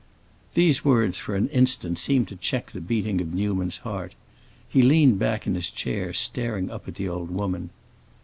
These words, for an instant, seemed to check the beating of Newman's heart. He leaned back in his chair, staring up at the old woman.